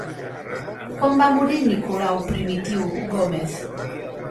Quan va morir Nicolau Primitiu Gómez?